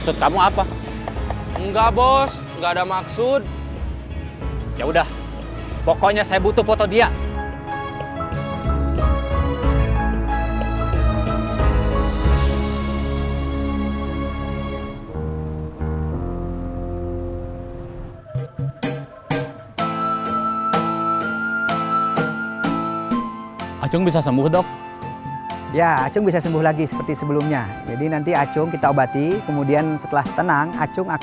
gini kamu bisa lupa boleh duduk boleh boleh kenalan boleh ajeng uben assalamualaikum waalaikumsalam